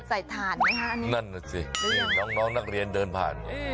ใส่ถ่านไหมคะอันนี้นั่นแหละสิน้องนักเรียนเดินผ่าน